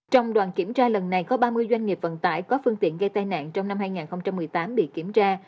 trong đoàn kiểm tra lần này có ba mươi doanh nghiệp vận tải có phương tiện gây tai nạn trong năm hai nghìn một mươi tám bị kiểm tra